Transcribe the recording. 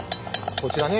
こちらね